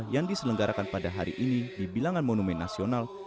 yang diselenggarakan pada hari ini di bilangan monumen nasional